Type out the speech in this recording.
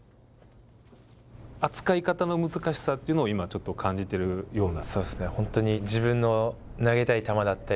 扱い方の難しさというのを今ちょっと感じてるような？